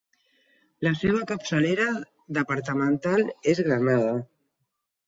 La seva capçalera departamental és Granada.